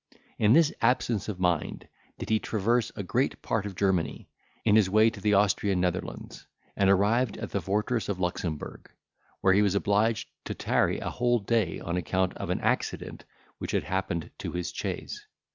In this absence of mind did he traverse a great part of Germany, in his way to the Austrian Netherlands, and arrived at the fortress of Luxemburg, where he was obliged to tarry a whole day on account of an accident which had happened to his chaise.